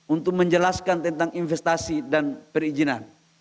untuk menjelaskan tentang investasi dan perizinan